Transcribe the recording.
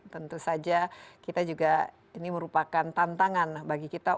tentu saja kita juga ini merupakan tantangan bagi kita